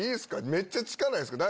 めっちゃ近ないですか？